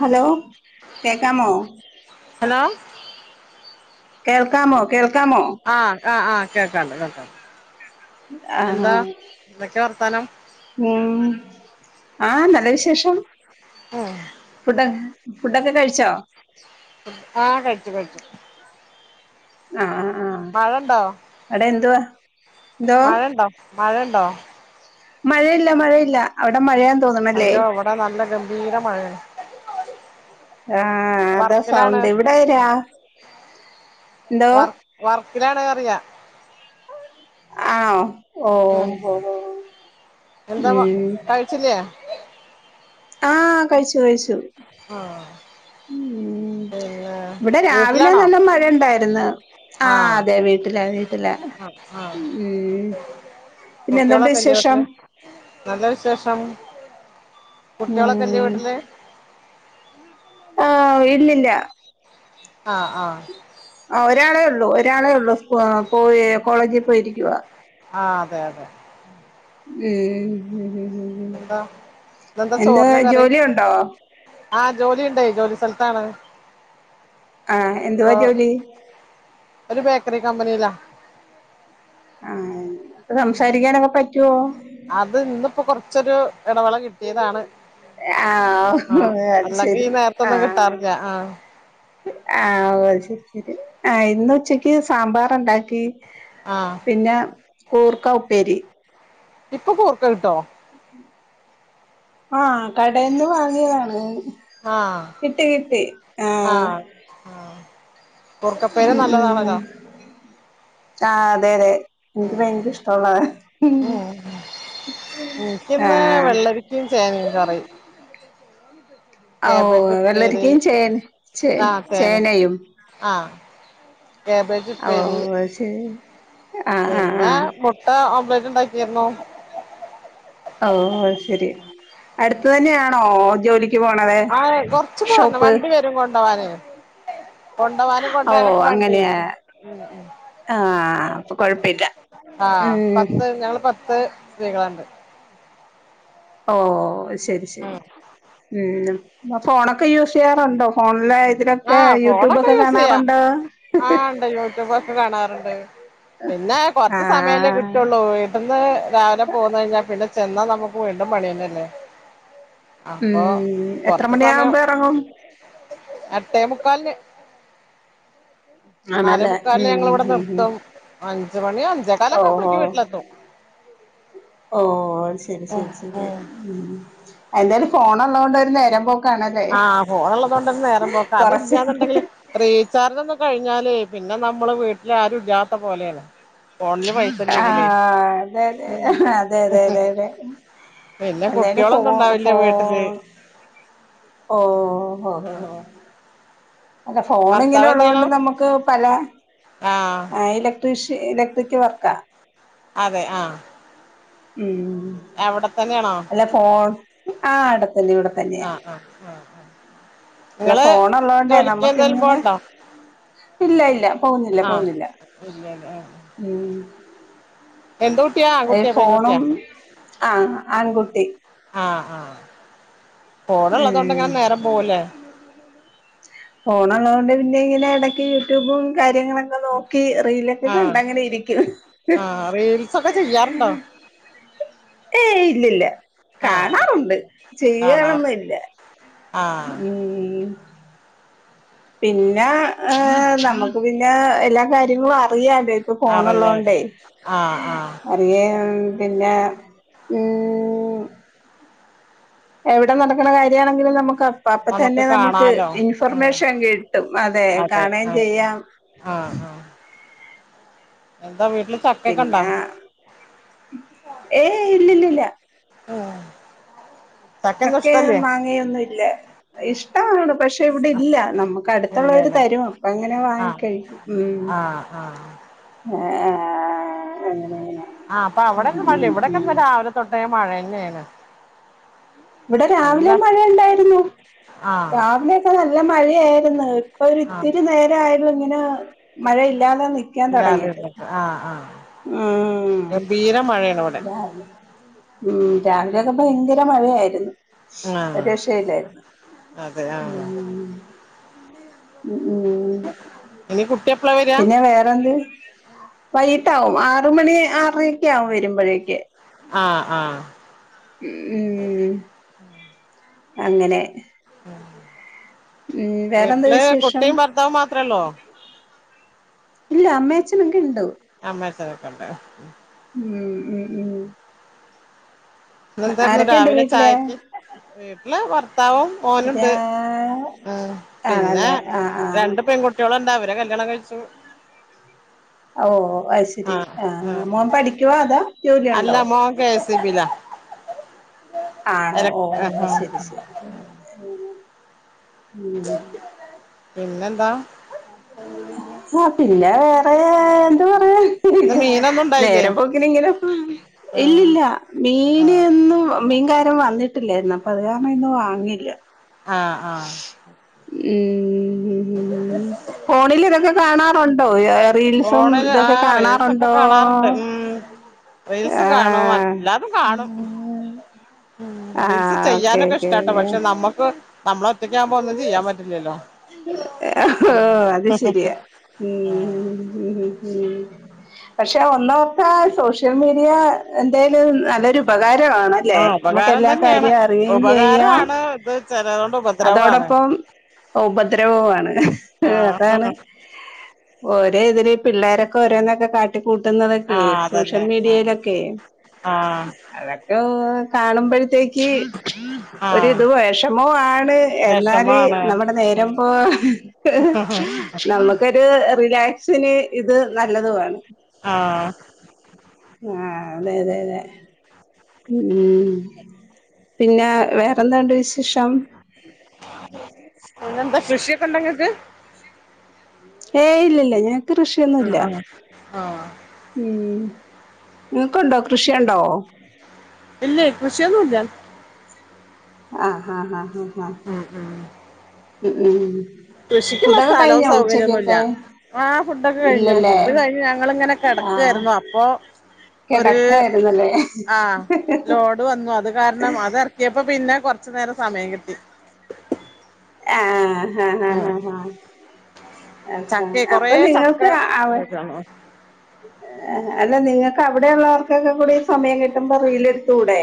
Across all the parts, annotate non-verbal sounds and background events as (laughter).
Hello കേക്കാമോ hello കേൾക്കാമോ കേൾക്കാമോ ആഹ് ആഹ് ആഹ് കേക്കാണ്ട് കേക്ക ആഹ വർത്താനം ഉം ആ നല്ല വിശേഷം ഉം ഫുഡ്ഡ ഫുഡ്ഡക്കെ കഴിച്ചോ ആഹ് കയ്ച്ചു കഴിച്ചു ആഹ് മഴണ്ടോ മഴണ്ടോ മഴണ്ടോ മഴെല്ല മഴെല്ല അവിടെ മഴയാ അയ്യോ ഇവിടെ നല്ല ഗംഭീര മഴയാ ആഹ് അതാ സൗണ്ട് ഇവിടെ രാ എന്തോ വർ വർക്കിലാണർയ ആഹ് ഓ ഉം ഓ എന്താ ഉം കഴിച്ചില്ലേ ആഹ് കഴിച്ചു കഴിച്ചു. ആഹ് ഉ പിന്നെ ഇവിടെ രാവിലെ വീട്ടിലാണോ നല്ല മഴണ്ടായിര്ന്ന് ആഹ് അതെ വീട്ടില വീട്ടില ഉം പിന്നെ എന്തുണ്ട് കുട്ട്യോളൊക്കെല്ലേ വിശേഷം വീട്ട്ല് നല്ല വിശേഷം കുട്ട്യാളൊക്കെല്ലെ ഉം വീട്ടില് ആഹ് ഇല്ലില്ല. ആഹ് ആഹ് ആ ഒരാളെ ഉള്ളൂ ഒരാളെ ഉള്ളൂ സ് ആ പോയി കോളേജി പോയിരിക്കുവാ ആ അതെ അതെ ഉം ഉം ഉം ഉം എന്താ ഇന്നെന്താ എന്താ ചോറിന് കറി ജോലി ഉണ്ടോ ആഹ് ജോലിണ്ടെയ് ജോലി സ്ഥൽത്താണ് ആഹ് എന്തുവാ ജോലി? ഒരു ബേക്കറി കമ്പനീല്ലാ. ആഹ് സംസാരിക്കാനൊക്കെ പറ്റുവോ? അത് ഇന്നിപ്പോ കൊർച്ചൊരു എടവേള കിട്ട്യേതാണ്. ആ ആഹ് അത് അല്ലെങ്കി ഈ ശരി നേര്ത്തൊന്നും കിട്ടാറില്ല ആഹ് ആ ഓ ശരി ശരി ആ ഇന്ന് ഉച്ചക്ക് സാമ്പാറൊണ്ടാക്കി ആഹ് പിന്നെ കൂർക്ക ഉപ്പേരി. ഇപ്പൊ കൂർക്ക കിട്ടോ? ആഹ് കടേന്ന് വാങ്ങ്യേതാണ് ആഹ് കിട്ടി കിട്ടി ആഹ് ആഹ് കൂർക്കപ്പേര് ഉം ഉം നല്ലതാണല്ലോ ആ അതെ അതെ എനിക്ക് ഭയ്ങ്കര ഇഷ്ടുള്ള ഉം എനിക്കിന്ന് വെള്ളൊരിക്കയും ചേമ്പ് കറി കാബേജ് ഉപ്പേരി ഓവെള്ളരിക്കയും ചേൻ ചേ ആഹ് ചേന ചേനയും ആഹ് കാബേജ് പെരി ഓഹ് അത് ശരി ആഹ് ആഹ് പിന്നെ ആഹ് മുട്ട ഉണ്ടാക്കിര്ന്നോ? ഓ ശരി അടുത്ത തന്നെയാണോ ജോലി? ആ കൊറച്ചന്ന് പോരണംവണ്ടി വരും കൊണ്ടു പോവാന് കൊണ്ടവാനും ഓഹ് കൊണ്ടുവാനൊക്കെ വണ്ടി വരുംഉ അങ്ങനെയാ ഉ ഉ ആഹ് അപ്പൊ കൊഴപ്പില്ല ആ ഉം പത്ത് ഞങ്ങള് പത്ത് സ്ത്രീകളുണ്ട്. ഓ ശരി ശരി മ് ഫോണൊക്കെ യൂസ് ചെയ്യാറുണ്ടോ ഫോണിലെ? ആ ഇതിലൊക്കെ ഫോണൊക്കെ യൂട്യൂബൊക്കെ യൂസ് ചെയ്യാ കാണാറുണ്ടോ ആണ്ട് യൂട്യൂബൊക്കെ കാണാറുണ്ട്. പിന്നെ കൊറച്ച സമയല്ലേ ആഹ് കിട്ടുള്ളൂ വീട്ടന്ന് രാവിലെ പോകന്ന കഴിഞ്ഞാൽ പിന്നെ ചെന്നാ നമ്മുക്ക് വീണ്ടും പണിയന്നല്ലേ? അപ്പൊ ഉം എത്ര കൊറച്ച് സമയം മണിയാകുമ്പോ ഇറങ്ങും അ എട്ടെമുക്കാലി ന് ആണല്ലേ നാലേമുക്കാല ഉം ഞങ്ങിവിടെ ഉം ഉം നിർത്തും അഞ്ച്മണി അഞ്ചേ ഓ കാലൊക്കെമ്പളേക്ക് വീട്ടിലെത്തും. ഓ ശരി ഉം ശരി ശരി ഉം ഉ എന്തായാലും ഫോണള്ളത കൊണ്ട് നേരമ്പോ ആ ഫോൺ ഉള്ളത് കൊണ്ടന്നന്ന് നേരം പോക്കെ കൊറച്ച് അതിലന്നുണ്ടെങ്കില് റീചാർജ് ഒന്നും കഴി ഞ്ഞാല് പിന്നെ നമ്മള് വീട്ടില ആരുംഇല്ലാത്ത പോലെയാണ് ഫോണില് പൈസ ആ ഇല്ലെങ്കിലേ അതെതെ അതെതെ അതെതെ പിന്നെ എന്തായാലും ഫോ കുട്ടികളൊന്നും ഉണ്ടാവില്ല ഫോ വീട്ടില് ഓ ഹ ഹ ആഹ് അല്ല ഫോൺ ഇങ്ങനെ ഭർത്താവ് എന്ത് ഒള്ള ചെയ്യണു കൊണ്ട് നമുക്ക് പല ആഹ് ഇലട്രീഷ്യ ഇലട്രിക് വർക്കാ അതെ ആ ഉം അവിടെത്തന്നെയാണോ ആ അടെത്തന്നെ ഇവിടെത്തന്നെയാ ആഹ് ആഹ് ആഹ് ഇല്ല നിങ്ങള് ഫോണള്ളോണ്ടേ ജോലിക്ക് നമ്മുക്ക് എന്തേലും ഇങ്ങനെ പോവണ്ടോ ഇല്ല ഇല്ല പോകുന്നില്ല ആഹ് പോകുന്നില്ല ഇല്ലല്ലേ ആഹ് ഉം എന്ത് കുട്ടിയാ ആ ഈ കുട്ടിയാ ഫോണും പെൺകുട്ടിയാ ആഹ് ആൺകുട്ടി ആ ആ ഫോണ്ള്ളത് കൊണ്ടെങ്ങനെ നേരം ഉം പോവലേ ഫോണള്ളതുകൊണ്ട് പിന്നെ ഇങ്ങനെ എടക്ക് യൂട്യൂബും കാര്യങ്ങളൊക്കെ നോക്കി റീലൊക്കെ ആഹ് കണ്ടങ്ങനെ ഇരിക്കും ആഹ് റീൽസൊക്കെ ചെയ്യാറുണ്ടോ ഏയ് ഇല്ലില്ല ആഹ് കാണാറുണ്ട് കാണാറ് ചെയ്യണന്നില്ല ആഹ് ഉം പിന്നെ ഏ നമുക്ക് പിന്നെ എല്ലാ കാര്യങ്ങളും അറിയ ഇപ്പ അറിയാലോ ഫോണള്ളോണ്ടേ ആഹ് ആഹ് അറിയ പിന്നെ ഉം എവിടെ നടക്കണ കാര്യമാണെങ്കിലും നമുക്ക് അപ്പ അപ്പ തന്നെ നമുക്ക് കാണാലോ ഉം ഇൻഫർമേഷൻ കിട്ടും അതെ കാണുകയും ചെയ്യാം ആ ആ ഉണ്ടോ പിന്നെ ഏയ് ഇല്ലല്ലില്ല ആ ചക്കെ മാങ്ങയൊന്നും ഇല്ല ഇഷ്ടമാണ് പക്ഷെ ഇവിടെ ഇല്ല നമുക്ക് അടുത്തുള്ളവര് ഇല്ലല്ലേ തരും അപ്പ അങ്ങനെ വാങ്ങി കഴിക്കും ഉം ആ ആ ആഹ് അങ്ങനെങ്ങനെ ആ അപ്പൊ ഉം അവിടെന്നെ മഴ ഉം ഇല്ല ഉം ഇവിടെക്കെരാവിലെ തൊട്ടേ മഴ തന്നെയാണ് ഇവിടെ രാവിലെ നല്ല മഴ ഉണ്ടായിരുന്നു ആഹ് രാവിലെയൊക്കെ നല്ല മഴയായിരുന്നു ആഹ് ഇപ്പൊരിത്തിരി നേരെ ആയൊള്ളു ഇങ്ങനെ മഴയില്ലാതെ നിക്കാൻ തൊടങ്ങിയിട്ട് ഇല്ലാതിരുന്നിട്ട് ആഹ് ആഹ് ഉം ഗംഭീര മഴയാണ് ഇവിടെ (unintelligible) ഉം രാവിലെയൊക്കെ ഭയങ്കര മഴയായിരുന്നു ഒരു ആഹ് രക്ഷയില്ലായിരുന്നു അതെ ആഹ് ഉം ഉം ഇനി കുട്ടി എപ്പളാ വരിക പിന്നെ വേറെന്ത് വൈകിട്ട് ആവും ആറു മണി ആറര ഓക്കേ ആവും വരുമ്പോഴേക്ക് ആഹ് ആഹ് ഉം അങ്ങനെ ഉം വേറെന്താ വീട്ടില് വിശേഷം കുട്ടിയും ഭർത്താവും മാത്രേ ഉള്ളോ ഇല്ല അമ്മ അഛനൊക്കെ ഇണ്ടോ തന്നെ ഉം ഉം ഉം ഇന്നേന്തായിരുന്നു ആരൊക്കെയുണ്ട് രാവിലെ വീട്ടില് ചായക്ക് വീട്ടില് ഭർത്താവും മോനുണ്ട് രാ ആ പിന്നെ ആണല്ലേ ആഹ് ആഹ് രണ്ട് പെൺകുട്ടികളുണ്ട് അവരെ കല്യാണം കഴിച്ചു ഓ അത് ശരി ആഹ് ആഹ ആഹ് മോൻ പഠിക്കുവാ അതോ ജോലി അല്ല ഒണ്ടോ (unintelligible) ആണോ എല ഓ ആഹ് ശരി ശരി ഉം പിന്നെന്താ ആ പിന്നെ വേറെ എന്ത്‌ പറയാൻ ഇന്ന് മീനൊന്നും ഉണ്ടായില്ലേ നേരം പോക്കിനിങ്ങനെ ആഹ് ഇല്ലില്ല ആഹ് മീനൊന്നും മീൻകാരൻ വന്നി ട്ടില്ലായിരുന്നു അപ്പ അത് കാരണം ഇന്ന് വാങ്ങില്ല ആഹ ആഹ ഫോണിൽ ഇതൊക്കെ കാണാംൻ ണ്ടോ റീൽസും ഫോണില് ഇതൊക്കെ ആഹ് റീൽസൊക്കെ കാണാറുണ്ടോ കാണാറുണ്ട് ഉം റീൽസ് ആഹ് കാണുംല്ലാതും കാണും ഉ വിൽസ് ആഹ് ഓക്കെ ചെയ്യാനൊക്കെ ഓക്കെ ഇഷ്ടട്ടോ പക്ഷെ നമ്മുക്ക് നമ്മള ഒറ്റക്ക ആകുമ്പോ ഒന്നും ഓക്കെ ചെയ്യാൻ പറ്റില്ലല്ലോ അത് ശരിയാ ഉ പക്ഷെ ഒന്നൊക്ക സോഷ്യൽ മീഡിയ എന്തൽ നല്ലൊരു ഉപകാര ആ ണല്ലേ നമുക്ക് ഉപകാരം എല്ലാ തന്നെയാണ് കാര്യവും അറിയുകയും ചെയ്യാം ഉപകാരമാണ് ഇത് ചിലതുകൊണ്ട് ഉപദ്രവമാണ് അതോടൊപ്പം ഉപദ്രവമാണ് ആ അതാണ് ഒരേ ഇതില പിള്ളോരൊക്കെ ഓരോന്നക്കെ കാട്ട ആ കൂട്ടുന്നതൊക്കെ സോഷ്യൽ അതന്നെ ആ മീഡിയയിലൊക്കെ ആ അതൊക്കെ കാണുമ്പോഴത്തേക്ക് ആ ഒരിത് വിഷമോ മാണ് എന്നാല് വിഷമാണ് നമ്മ നേരം പോവാ നമുക്കൊരു റിലേ സിന് ഇത് നല്ലതുമാണ് ആഹ ആഹ അതെ അതെ അതെ ഉം പിന്നെ വേറെന്തണ്ട് വിശേഷം പിന്നെന്താ കൃഷിയൊക്കെ ഉണ്ടോ ങ്ങക്ക് ഏ ഇല്ലല്ല ഞക്ക് ആ കൃഷിയൊന്നുംല്ല ആ ആ ഉ നിങ്ങക്കുണ്ടോ കൃഷിയുണ്ടോ ഇല്ലേ കൃഷിയൊന്നുംല്ല ആഹ് ആഹ് ആഹ് ഹഹ ഉം ഉം ഉം ഉം ഉ കൃഷിക്കുള്ള സ്ഥലവും സൗകര്യൊന്നുമല്ല ആഹ് ഫുഡ്ക്കെ കഴിഞ്ഞു ഇല്ലല്ലേ ഫുഡ് കഴിഞ്ഞു ഞങ്ങളിങ്ങനെ ആ കിടക്കായിരുന്നു അപ്പൊ ഒരു കിടക്കായിരുന്നല്ലേ ആ ലോഡ് വന്നു അത് കാരണം അത് ഇറക്കിയപ്പോ പിന്നെ കൊ കുറച്ചു നേരം സമയം കിട്ടി ആഹ് ഉം അ ചക്ക കൊറേ അപ്പൊ ചക്ക നിങ്ങൾക്ക് അവ വീഴാണ് അല്ല നിങ്ങൾക്ക് അവിടെ ഉള്ളവർക്കൊക്കെ കൂടി സമയം കിട്ടുമ്പോ റീലഎടുത്തകൂടെ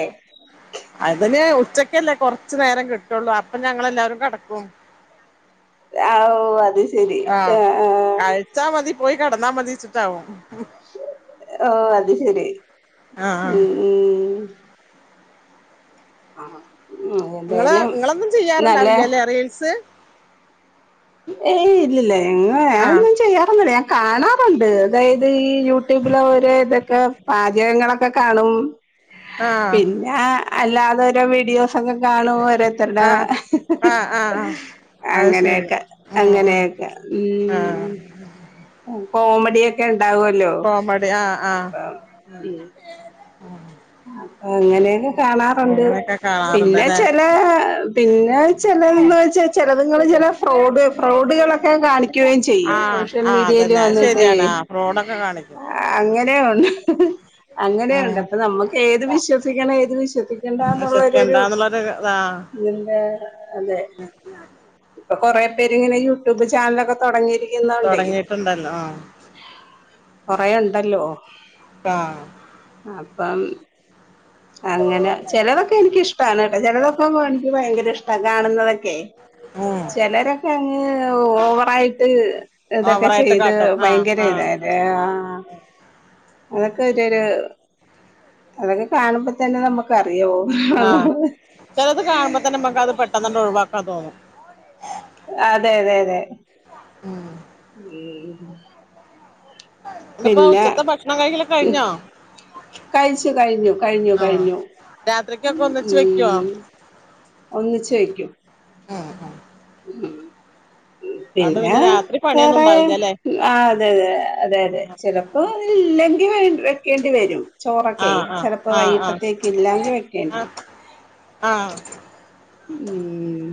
അതിന് ഉച്ചക്കല്ലേ കുറച്ചു നേരം കിട്ടുള്ളൂ അപ്പൊ ഞങ്ങെല്ലാരും കിടക്കും ഓഹ് അത് ശെരി ആ കടനാ മതി ഓ അത് ശരി ആഹ ഉം ഉം ആ ഇങ്ങള് എന്തായാലും ഇങ്ങളൊന്നും നല്ല ചെയ്യാറുണ്ടാവില്ലല്ലേ റീൽസ് ഏയ് ഇല്ലില്ല എങ്ങ ആഹ് ഞാനൊന്നും ചെയ്യാറൊന്നില്ല ഞാൻ കാണാറുണ്ട് അതായത് ഈ യൂട്യൂബ് ഓരോ ഇതൊക്കെ പാചകങ്ങളൊക്കെ കാണും ആഹ് പിന്നെ അല്ലാതെഓരോ വീഡിയോസ് അക്കെ കാണുമ ഓരോത്തരുടെ ആഹ് ആഹ് ആഹ് ആഹ് അത് ശരി അങ്ങനെയൊക്കെ ഉം ഉം അങ്ങനെയൊക്കെ ആഹ് ഉ കോമഡിയൊക്കെ ഉണ്ടാവല്ലോ കോമഡി ആഹ് ആഹ് അപ്പ ഉ അപ്പൊ അങ്ങനെയൊക്കെ കാണാറുണ്ട് അങ്ങനെയൊക്കെ പിന്നെ കാണാറുണ്ടല്ലേ ചെല പിന്നെ ചന്ന് വെച്ചാൽ ചിലങ്ങൾ ചില ഫ്രോ ഫ്രോഡുകളൊക്കെ കാണിക്കുകയും ചെയ്യും ആഹ് സോഷ്യൽ ആഹ് മീഡിയ അതന്നെ അത് വന്നിട്ടേ ശരിയാണ് ആഹ് ഫ്രോഡൊക്കെ കാണിക്കും അങ്ങനെയ ഉണ്ട് അങ്ങനെയുണ്ട് ഉം അപ്പൊ നമ്മുക്ക് ഏത് വിശ്വസിക്കണം ഏത് വിശ്വസിക്കണ്ടന്നുള്ളരുരു വിശ്വസിക്കണ്ടാന്നുള്ളൊരു ഇതാ നിന്റെ അതെ ഇപ്പൊ കൊറെ പേര്ങ്ങനെ യൂട്യൂബ് ചാനലൊക്കെ തുടങ്ങിയിരിക്കുന്നുണ്ടേ തൊടങ്ങിയിട്ടുണ്ടല്ലോ ആ കൊറെണ്ടല്ലോ ആ അപ്പം അങ്ങനെ ചെലതൊക്കെ എനിക്കിഷ്ടാണ് കേട്ട ചിലതൊക്കെ പോ എനിക്ക് ഭയങ്കര ഇഷ്ട കാണുന്നതൊക്കെ ചിലരൊക്കെ അങ്ങ് ഓവറായിട്ട് ഇതൊക്കെ ഓവറായിട്ട് ചെയ്ത് കാട്ടും ആ ഭയങ്കര ആ ഇത ദേ അ ആഹ് അതൊക്കെ ഒരുരു അതൊക്കെ കാണുമ്പ തന്നെ നമുക്ക് അ അയ്യോ ആ ചെലത് കാണുമ്പോ തന്നെ നമുക്ക് അത് പെട്ടെന്നണ്ട് ഒഴിവാക്കാൻ (unintelligible) തോന്നും അതെ അതെ അതെ ഉം എന്റെപ്പ പിന്നെ ഉച്ചത്തെ ഭക്ഷണം കഴിക്കലക്ക കഴിഞ്ഞോ കഴിച്ചു കഴിഞ്ഞു കഴിഞ്ഞു ആ കഴിഞ്ഞു രാത്രിക്കൊക്കെ ഒന്നിച്ച് വെക്കുവോ ഉം ഒന്നിച്ച് വെയ്ക്കും ഉം ഉം ഉം അതോണ്ട് പിന്നെ രാത്രി പണിയൊന്നും വേറെ ഉണ്ടാവില്ലല്ലേ ആ അതെതെ അതെ അതെ ചിലപ്പോ ഇല്ലെങ്കിൽ വെക്കേണ്ടി വരും ആ ചോറൊക്കെ ആ ചിലപ്പോ ആ വൈകിട്ടത്തേക്ക് ഇല്ലെങ്കി വെക്കേണ്ടി വരും ആഹ് ഉം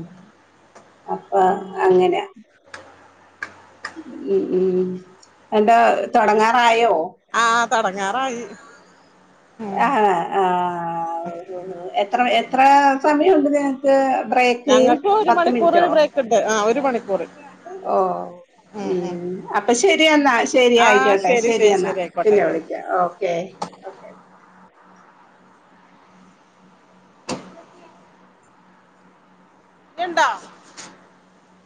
അപ്പൊ അങ്ങനെ ഉം ഉം എന്റെ തൊടങ്ങാറായോ ആഹ് തൊടങ്ങാറായി ഉം ആഹ് ആഹ് ഓ ഓ എത്ര എത്ര സമയംണ്ട് ത് ഞങ്ങൾക്ക് ഒരു മണിക്കൂറ് ബ്രേക്ക് ഉണ്ട് ആ ഒരു മണിക്കൂറ് ഓഹ് ഉം അപ്പൊ ശരി എന്നാ ശരി ആ ആയിക്കോട്ടെ ശരി ശരി ശരിയെന്നാ ശരി ആയിക്കോട്ടെ പിന്നെ ആയിക്കോട്ടെ വിളിക്കാം ഓക്കെ (unintelligible) ഞ്ഞിണ്ടോ